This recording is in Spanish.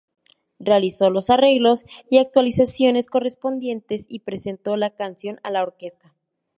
Realizó los arreglos y actualizaciones correspondientes, y presentó la canción a la orquesta.